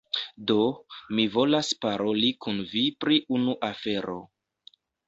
Do, mi volas paroli kun vi pri unu afero